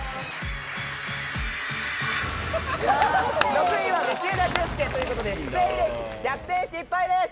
６位は道枝駿佑という事でＳＴＡＹで逆転失敗です！